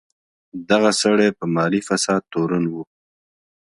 دغه سړی په مالي فساد تورن و.